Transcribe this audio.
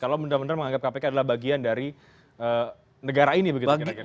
kalau benar benar menganggap kpk adalah bagian dari negara ini begitu kira kira